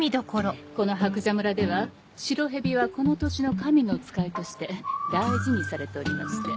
この白蛇村では白蛇はこの土地の神の使いとして大事にされておりまして。